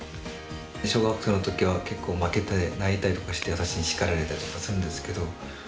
小学生の時は結構負けて泣いたりとかして私にしかられたりとかするんですけど。